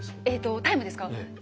えっとタイムですか？